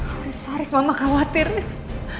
haris haris mama khawatir nih